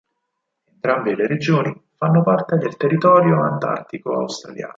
Entrambe le regioni fanno parte del Territorio Antartico Australiano.